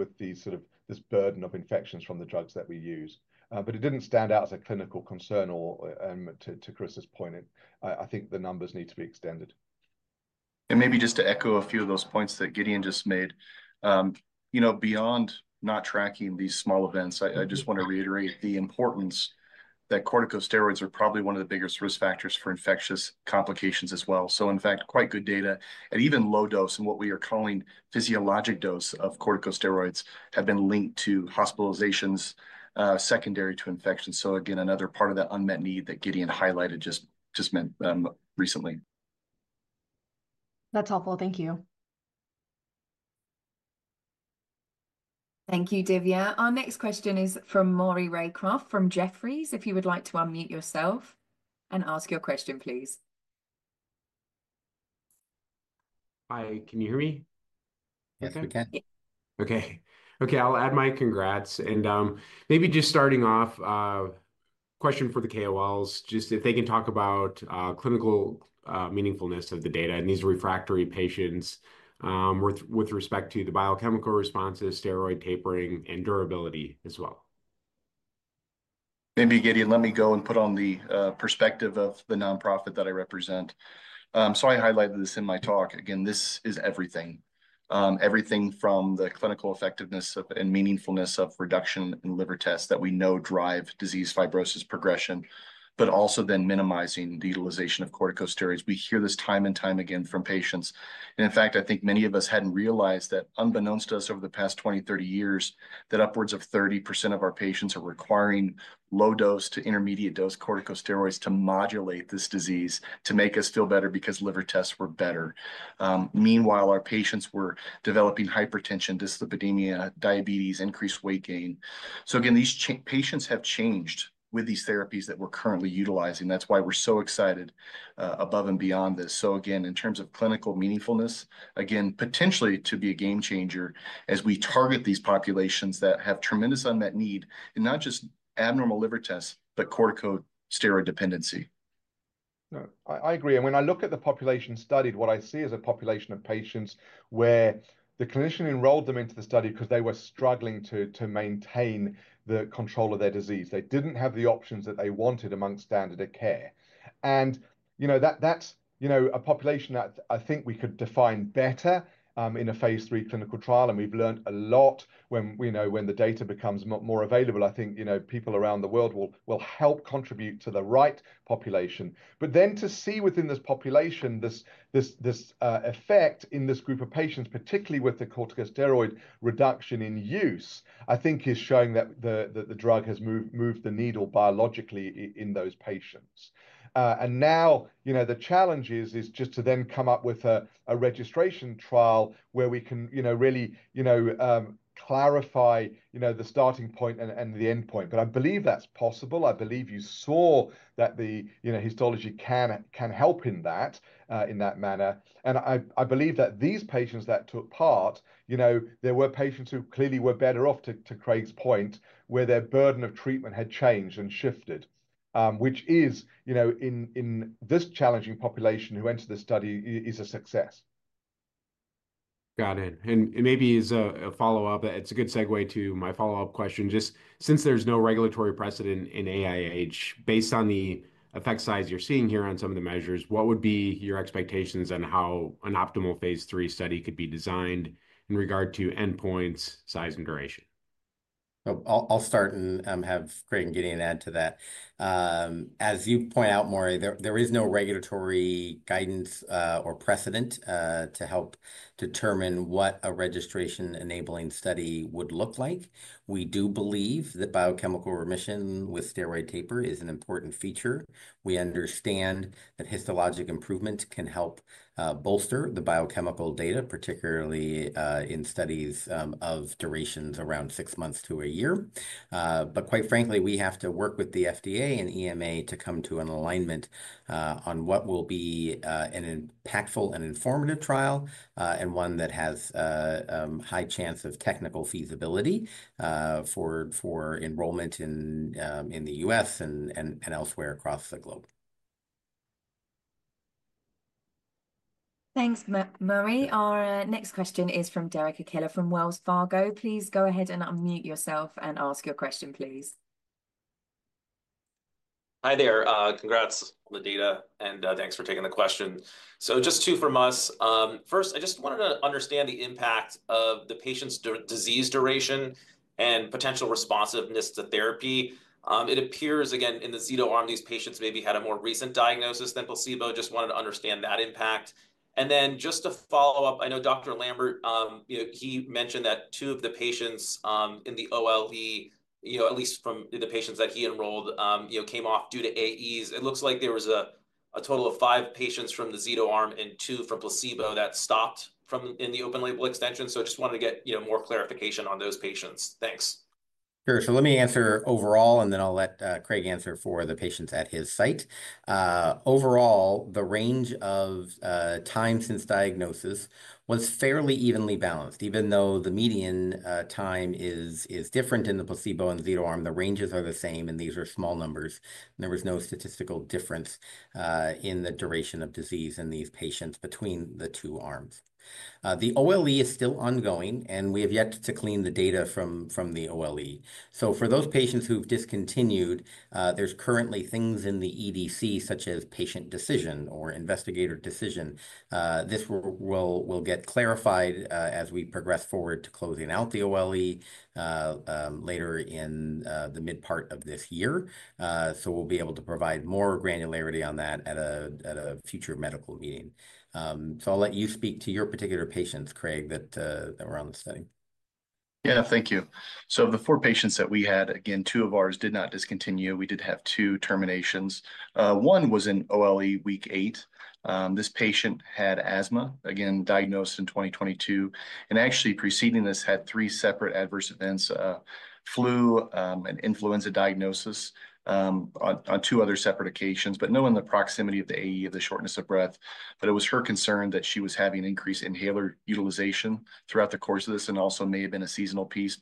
sort of burden of infections from the drugs that we use. It didn't stand out as a clinical concern or, to Chris's point, I think the numbers need to be extended. Maybe just to echo a few of those points that Gideon just made, you know, beyond not tracking these small events, I just want to reiterate the importance that corticosteroids are probably one of the biggest risk factors for infectious complications as well. In fact, quite good data at even low dose and what we are calling physiologic dose of corticosteroids have been linked to hospitalizations secondary to infection. Again, another part of that unmet need that Gideon highlighted just recently. That's helpful. Thank you. Thank you, Divya. Our next question is from Maury Raycroft from Jefferies. If you would like to unmute yourself and ask your question, please. Hi, can you hear me? Yes, we can. Okay. Okay, I'll add my congrats. Maybe just starting off, question for the KOLs, just if they can talk about clinical meaningfulness of the data. These are refractory patients with respect to the biochemical responses, steroid tapering, and durability as well. Maybe, Gideon, let me go and put on the perspective of the nonprofit that I represent. I highlighted this in my talk. Again, this is everything. Everything from the clinical effectiveness and meaningfulness of reduction in liver tests that we know drive disease fibrosis progression, but also then minimizing the utilization of corticosteroids. We hear this time and time again from patients. In fact, I think many of us had not realized that, unbeknownst to us over the past 20, 30 years, upwards of 30% of our patients are requiring low-dose to intermediate-dose corticosteroids to modulate this disease to make us feel better because liver tests were better. Meanwhile, our patients were developing hypertension, dyslipidemia, diabetes, increased weight gain. These patients have changed with these therapies that we're currently utilizing. That's why we're so excited above and beyond this. In terms of clinical meaningfulness, potentially to be a game changer as we target these populations that have tremendous unmet need and not just abnormal liver tests, but corticosteroid dependency. I agree. When I look at the population studied, what I see is a population of patients where the clinician enrolled them into the study because they were struggling to maintain the control of their disease. They didn't have the options that they wanted among standard of care. You know, that's a population that I think we could define better in a phase three clinical trial. We've learned a lot. When the data becomes more available, I think, you know, people around the world will help contribute to the right population. To see within this population, this effect in this group of patients, particularly with the corticosteroid reduction in use, I think is showing that the drug has moved the needle biologically in those patients. Now, you know, the challenge is just to then come up with a registration trial where we can really clarify the starting point and the endpoint. I believe that's possible. I believe you saw that the histology can help in that manner. I believe that these patients that took part, you know, there were patients who clearly were better off, to Craig's point, where their burden of treatment had changed and shifted, which is, you know, in this challenging population who went to the study is a success. Got it. Maybe as a follow-up, it's a good segue to my follow-up question. Just since there's no regulatory precedent in AIH, based on the effect size you're seeing here on some of the measures, what would be your expectations on how an optimal phase three study could be designed in regard to endpoints, size, and duration? I'll start and have Craig and Gideon add to that. As you point out, Maury, there is no regulatory guidance or precedent to help determine what a registration-enabling study would look like. We do believe that biochemical remission with steroid taper is an important feature. We understand that histologic improvement can help bolster the biochemical data, particularly in studies of durations around six months to a year. Quite frankly, we have to work with the FDA and EMA to come to an alignment on what will be an impactful and informative trial and one that has a high chance of technical feasibility for enrollment in the U.S. and elsewhere across the globe. Thanks, Maury. Our next question is from Derek Archila from Wells Fargo. Please go ahead and unmute yourself and ask your question, please. Hi there. Congrats on the data. Thanks for taking the question. Just two from us. First, I just wanted to understand the impact of the patient's disease duration and potential responsiveness to therapy. It appears, again, in the Zeto arm, these patients maybe had a more recent diagnosis than placebo. Just wanted to understand that impact. Just to follow up, I know Dr. Lammert, you know, he mentioned that two of the patients in the OLE, you know, at least from the patients that he enrolled, you know, came off due to AEs. It looks like there was a total of five patients from the Zeto arm and two from placebo that stopped from in the open label extension. I just wanted to get, you know, more clarification on those patients. Thanks. Sure. Let me answer overall, and then I'll let Craig answer for the patients at his site. Overall, the range of time since diagnosis was fairly evenly balanced. Even though the median time is different in the placebo and Zeto arm, the ranges are the same. These are small numbers. There was no statistical difference in the duration of disease in these patients between the two arms. The OLE is still ongoing, and we have yet to clean the data from the OLE. For those patients who've discontinued, there are currently things in the EDC, such as patient decision or investigator decision. This will get clarified as we progress forward to closing out the OLE later in the mid part of this year. We will be able to provide more granularity on that at a future medical meeting. I'll let you speak to your particular patients, Craig, that were on the study. Yeah, thank you. Of the four patients that we had, again, two of ours did not discontinue. We did have two terminations. One was in OLE week eight. This patient had asthma, again, diagnosed in 2022. Actually, preceding this, had three separate adverse events, flu and influenza diagnosis on two other separate occasions, but not in the proximity of the AE of the shortness of breath. It was her concern that she was having increased inhaler utilization throughout the course of this and also may have been a seasonal piece.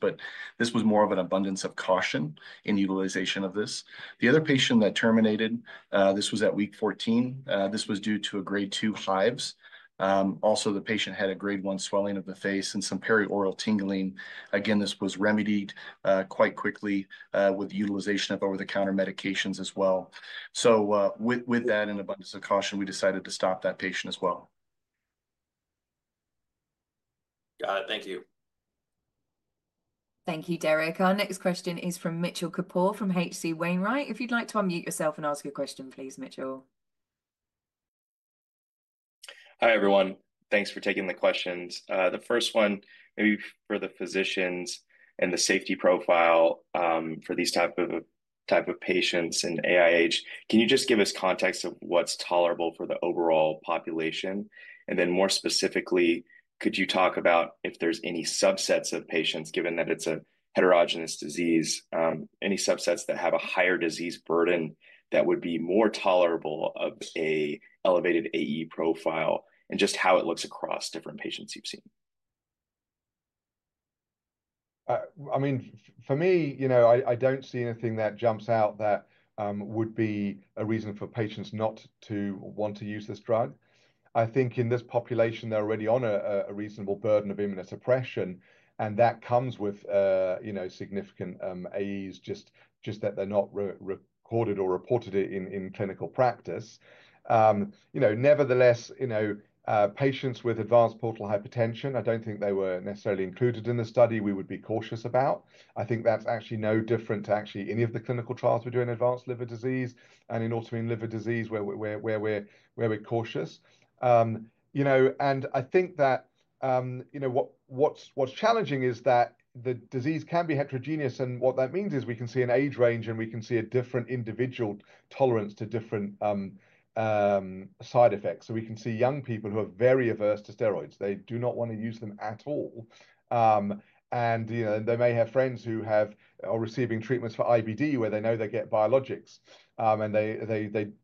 This was more of an abundance of caution in utilization of this. The other patient that terminated, this was at week 14. This was due to a grade 2 hives. Also, the patient had a grade 1 swelling of the face and some perioral tingling. Again, this was remedied quite quickly with utilization of over-the-counter medications as well. With that and abundance of caution, we decided to stop that patient as well. Got it. Thank you. Thank you, Derek. Our next question is from Mitchell Kapoor from H.C. Wainwright. If you'd like to unmute yourself and ask your question, please, Mitchell. Hi, everyone. Thanks for taking the questions. The first one, maybe for the physicians and the safety profile for these types of patients in AIH, can you just give us context of what's tolerable for the overall population? And then more specifically, could you talk about if there's any subsets of patients, given that it's a heterogeneous disease, any subsets that have a higher disease burden that would be more tolerable of an elevated AE profile and just how it looks across different patients you've seen? I mean, for me, you know, I don't see anything that jumps out that would be a reason for patients not to want to use this drug. I think in this population, they're already on a reasonable burden of immunosuppression. That comes with, you know, significant AEs, just that they're not recorded or reported in clinical practice. Nevertheless, you know, patients with advanced portal hypertension, I don't think they were necessarily included in the study we would be cautious about. I think that's actually no different to actually any of the clinical trials we do in advanced liver disease and in autoimmune liver disease where we're cautious. You know, I think that, you know, what's challenging is that the disease can be heterogeneous. What that means is we can see an age range and we can see a different individual tolerance to different side effects. We can see young people who are very averse to steroids. They do not want to use them at all. You know, they may have friends who are receiving treatments for IBD where they know they get biologics.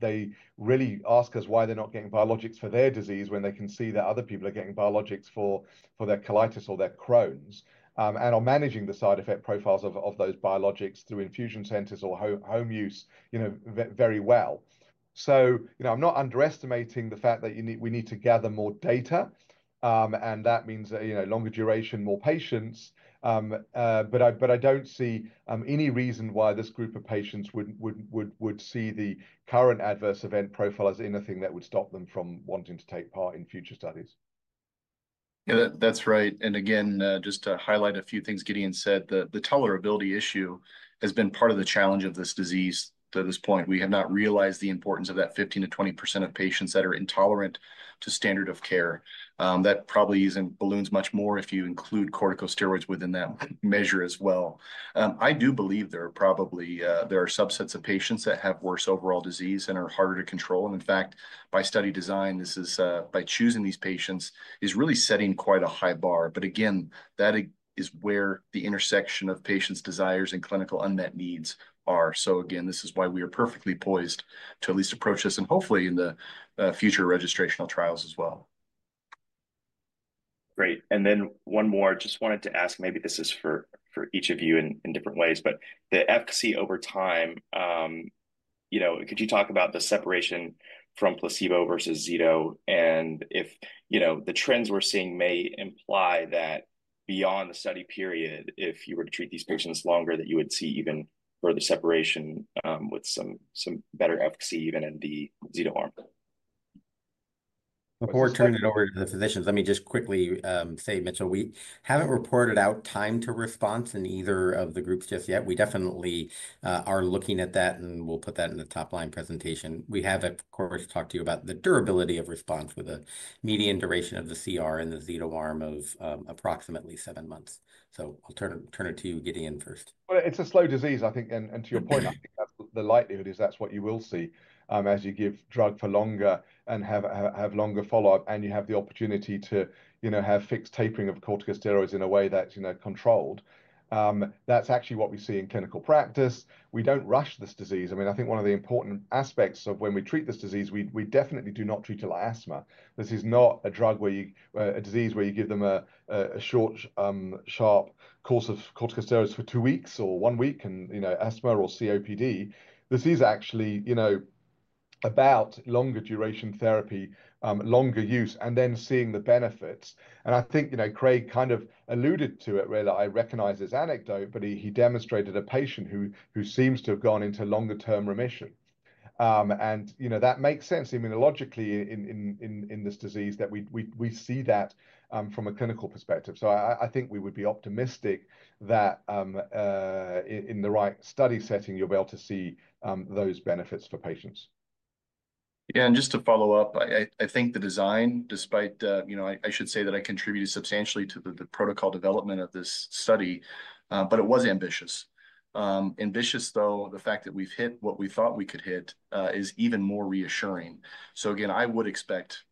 They really ask us why they're not getting biologics for their disease when they can see that other people are getting biologics for their colitis or their Crohn's. They are managing the side effect profiles of those biologics through infusion centers or home use, you know, very well. You know, I'm not underestimating the fact that we need to gather more data. That means, you know, longer duration, more patients. I don't see any reason why this group of patients would see the current adverse event profile as anything that would stop them from wanting to take part in future studies. Yeah, that's right. Again, just to highlight a few things Gideon said, the tolerability issue has been part of the challenge of this disease to this point. We have not realized the importance of that 15%-20% of patients that are intolerant to standard of care. That probably balloons much more if you include corticosteroids within that measure as well. I do believe there are probably subsets of patients that have worse overall disease and are harder to control. In fact, by study design, this is by choosing these patients is really setting quite a high bar. Again, that is where the intersection of patients' desires and clinical unmet needs are. This is why we are perfectly poised to at least approach this and hopefully in the future registrational trials as well. Great. One more, just wanted to ask, maybe this is for each of you in different ways, but the efficacy over time, you know, could you talk about the separation from placebo versus Zeto? If, you know, the trends we're seeing may imply that beyond the study period, if you were to treat these patients longer, you would see even further separation with some better efficacy even in the Zeto arm. Before we turn it over to the physicians, let me just quickly say, Mitchell, we haven't reported out time to response in either of the groups just yet. We definitely are looking at that and we'll put that in the top line presentation. We have, of course, talked to you about the durability of response with a median duration of the CR in the Zeto arm of approximately seven months. I'll turn it to you, Gideon, first. It is a slow disease, I think. To your point, I think the likelihood is that's what you will see as you give drug for longer and have longer follow-up and you have the opportunity to, you know, have fixed tapering of corticosteroids in a way that's, you know, controlled. That's actually what we see in clinical practice. We don't rush this disease. I mean, I think one of the important aspects of when we treat this disease, we definitely do not treat it like asthma. This is not a disease where you give them a short, sharp course of corticosteroids for two weeks or one week and, you know, asthma or COPD. This is actually, you know, about longer duration therapy, longer use, and then seeing the benefits. I think, you know, Craig kind of alluded to it, really. I recognize his anecdote, but he demonstrated a patient who seems to have gone into longer-term remission. You know, that makes sense immunologically in this disease that we see that from a clinical perspective. I think we would be optimistic that in the right study setting, you'll be able to see those benefits for patients. Yeah, just to follow up, I think the design, despite, you know, I should say that I contributed substantially to the protocol development of this study, but it was ambitious. Ambitious, though, the fact that we've hit what we thought we could hit is even more reassuring. I would expect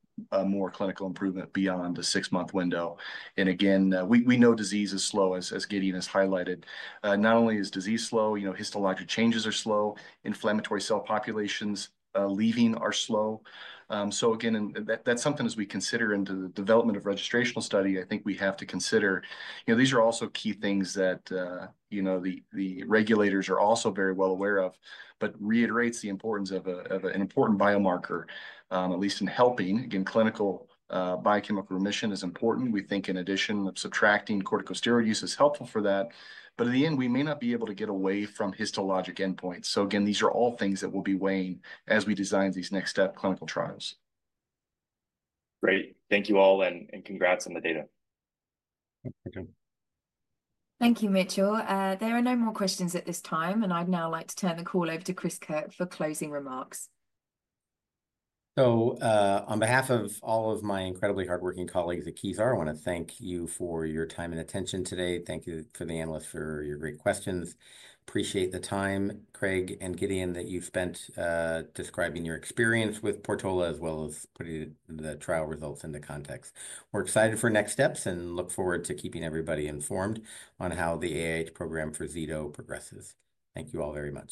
more clinical improvement beyond the six-month window. You know, we know disease is slow, as Gideon has highlighted. Not only is disease slow, you know, histologic changes are slow, inflammatory cell populations leaving are slow. Again, that's something as we consider into the development of registrational study, I think we have to consider, you know, these are also key things that, you know, the regulators are also very well aware of, but reiterates the importance of an important biomarker, at least in helping. Again, clinical biochemical remission is important. We think in addition of subtracting corticosteroid use is helpful for that. At the end, we may not be able to get away from histologic endpoints. Again, these are all things that we'll be weighing as we design these next step clinical trials. Great. Thank you all and congrats on the data. Thank you, Mitchell. There are no more questions at this time. I'd now like to turn the call over to Chris Kirk for closing remarks. On behalf of all of my incredibly hardworking colleagues at Kezar, I want to thank you for your time and attention today. Thank you to the analyst for your great questions. Appreciate the time, Craig and Gideon, that you've spent describing your experience with PORTOLA as well as putting the trial results into context. We're excited for next steps and look forward to keeping everybody informed on how the AIH program for Zeto progresses. Thank you all very much.